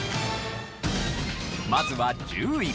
まずは１０位。